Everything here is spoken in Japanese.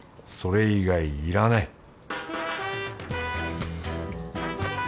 それ以外いらない